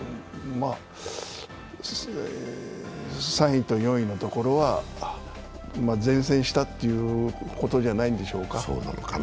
３位と４位のところは善戦したということじゃないんでしょうか。